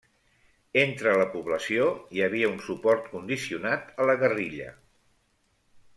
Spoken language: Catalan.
Entre la població hi havia un suport condicionat a la guerrilla.